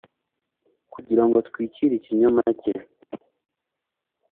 kugira ngo atwikire ikinyoma cye.